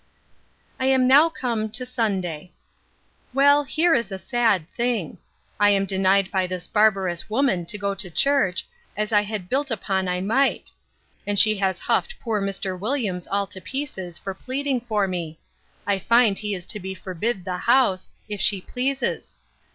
I am now come to SUNDAY. Well, here is a sad thing! I am denied by this barbarous woman to go to church, as I had built upon I might: and she has huffed poor Mr. Williams all to pieces, for pleading for me. I find he is to be forbid the house, if she pleases.